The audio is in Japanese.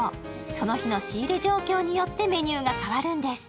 その日の仕入れ状況によってメニューが変わるんです。